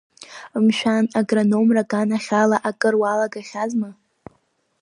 Мшәан, агрономра аганахьала акыр уалгахьазма?